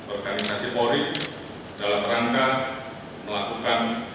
organisasi polri dalam rangka melakukan